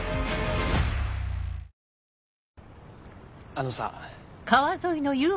あのさ。